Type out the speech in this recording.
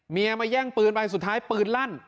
มาแย่งปืนไปสุดท้ายปืนลั่น